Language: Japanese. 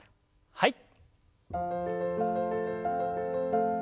はい。